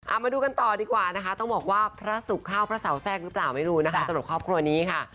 เอามาดูกันต่อดีกว่านะคะต้องบอกว่าพระศุกร์เข้าพระเสาแทรกหรือเปล่าไม่รู้นะคะสำหรับครอบครัวนี้ค่ะ